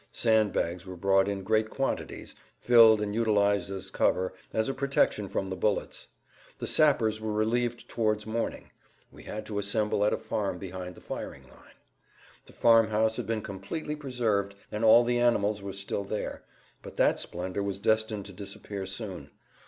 Sand bags were brought in great quantities, filled and utilized as cover, as a protection from the bullets. The sappers were relieved towards morning. We had to assemble at a farm behind the firing line. The farmhouse had been completely preserved, and all the animals were still there; but that splendor was destined to disappear soon.